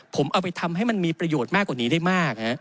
ผมเอาไปทำให้มันมีประโยชน์มากกว่านี้ได้มาก